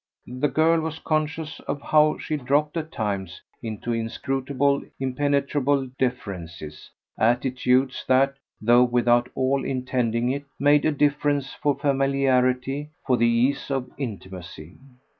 The girl was conscious of how she dropped at times into inscrutable impenetrable deferences attitudes that, though without at all intending it, made a difference for familiarity, for the ease of intimacy.